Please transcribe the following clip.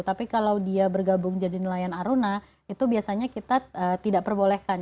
tapi kalau dia bergabung jadi nelayan aruna itu biasanya kita tidak perbolehkan